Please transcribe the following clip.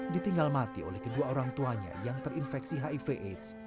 ditinggal mati oleh kedua orang tuanya yang terinfeksi hiv aids